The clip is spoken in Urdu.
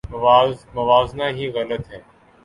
موازنہ ہی غلط ہے۔